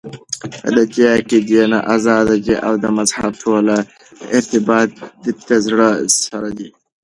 دديني عقيدي نه ازاد دي او دمذهب ټول ارتباط دزړه سره دى .